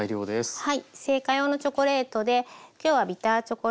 はい。